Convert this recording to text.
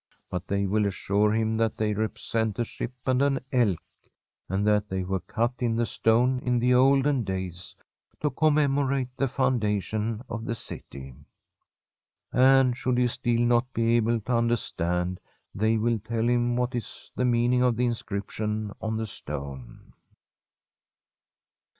But they will assure him that they represent a ship and an elk, and that they were cut in the stone in the olden days to commemorate the foundation of the city. And should he still not be able to understand, they will tell him what is the meaning of the in scription on the stone.